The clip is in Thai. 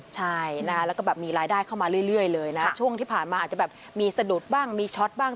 ใช่นะคะแล้วก็แบบมีรายได้เข้ามาเรื่อยเลยนะช่วงที่ผ่านมาอาจจะแบบมีสะดุดบ้างมีช็อตบ้าง